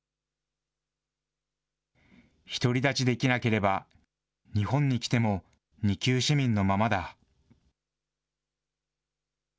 独り立ちできなければ、日本に来ても二級市民のままだ。